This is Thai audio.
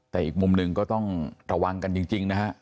แต่อีกมุมหนึ่งก็ต้องระวังกันจริงนะฮะ